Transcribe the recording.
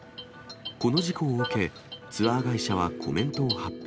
この事故を受け、ツアー会社はコメントを発表。